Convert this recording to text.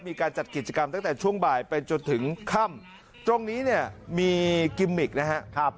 มีการจัดกิจกรรมตั้งแต่ช่วงบ่ายไปจนถึงค่ำตรงนี้เนี่ยมีกิมมิกนะครับ